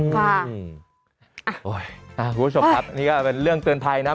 คุณผู้ชมครับนี่ก็เป็นเรื่องเตือนภัยนะ